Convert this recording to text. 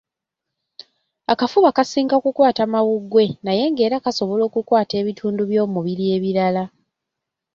Akafuba kasinga kukwata mawuggwe naye ng'era kasobola okukwata ebitundu by'omubiri ebirala